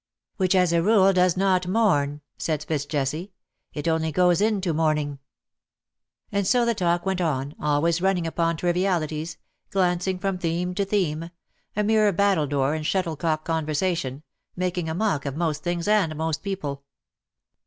'^ "Which as a rule does not mourn,^^ said Fitz Jesse. " It only goes into mourning.^^ And so the talk went on, always running upon trivialities — glancing from theme to theme — a mere battledore and shuttle cock conversation — making a mock of most things and most people.